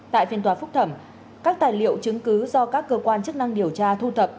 tại phiên tòa phúc thẩm các tài liệu chứng cứ do các cơ quan chức năng điều tra thu thập